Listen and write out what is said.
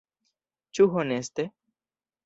Ĉu honeste?